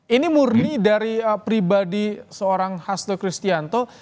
ini murni dari pribadi seorang hasto kristianto